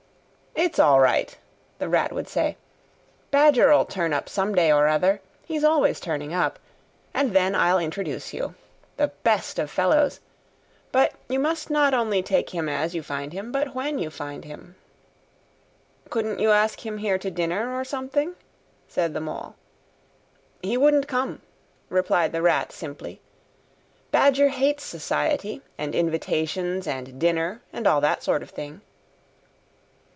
"It's all right," the Rat would say. "Badger'll turn up some day or other—he's always turning up—and then I'll introduce you. The best of fellows! But you must not only take him as you find him, but when you find him." "Couldn't you ask him here dinner or something?" said the Mole. "He wouldn't come," replied the Rat simply. "Badger hates Society, and invitations, and dinner, and all that sort of thing."